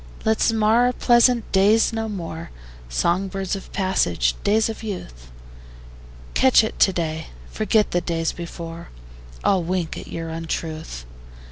Let's mar our pleasant days no more, Song birds of passage, days of youth: Catch at to day, forget the days before: I'll wink at your untruth.